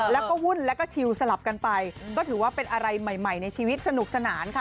แล้วก็วุ่นแล้วก็ชิลสลับกันไปก็ถือว่าเป็นอะไรใหม่ในชีวิตสนุกสนานค่ะ